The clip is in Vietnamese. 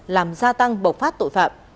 làm gia tăng bộc phát tội phạm